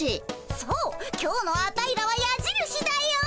そう今日のアタイらはやじるしだよ。